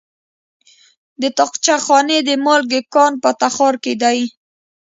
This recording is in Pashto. د طاقچه خانې د مالګې کان په تخار کې دی.